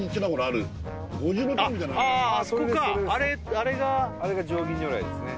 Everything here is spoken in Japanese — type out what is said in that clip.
あそこかあれあれがあれが定義如来ですね